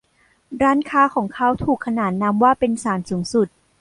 ร้านค้าของเขาถูกขนานนามว่าเป็น ศาลสูงสุด